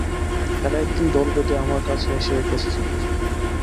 এরা একদিন দল বেঁধে আমার কাছে এসে উপস্থিত।